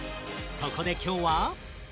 そこで今日は。